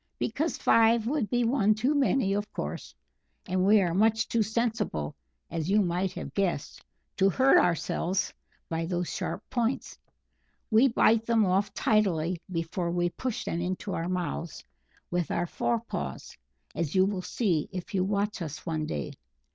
Because five would be one too many, of course!), and we are much too sensible, as you might have guessed, to hurt ourselves by those sharp points. We bite them off tidily before we push them into our mouths with our fore paws, as you will see if you watch us one day.